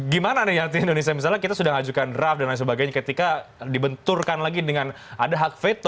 gimana nih nanti indonesia misalnya kita sudah ajukan draft dan lain sebagainya ketika dibenturkan lagi dengan ada hak veto